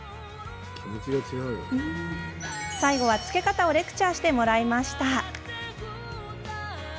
最後は、着け方をレクチャーしてもらいました。